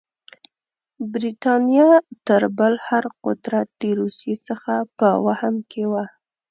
برټانیه تر بل هر قدرت د روسیې څخه په وهم کې وه.